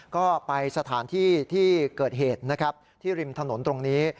ก็ไปสถานที่ที่เกิดเหตุนะครับที่ริมถนนตรงนี้